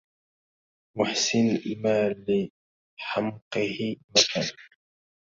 محسن ما لحمقه مثل